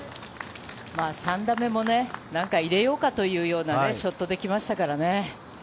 ３打目も何か入れようかというショットできましたからね。